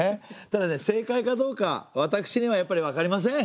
ただね正解かどうか私にはやっぱりわかりません。